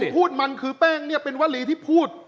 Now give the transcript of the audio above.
พูดมันคือแป้งเนี่ยเป็นวลีที่พูด